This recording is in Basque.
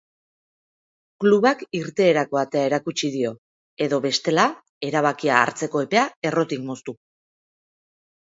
Klubak irteerako atea erakutsi dio edo bestela erabakia hartzeko epea errotik moztu.